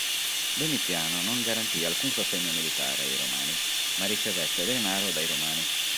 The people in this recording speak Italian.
Domiziano non garantì alcun sostegno militare ai Romani, ma ricevette denaro dai Romani.